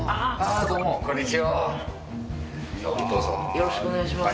よろしくお願いします。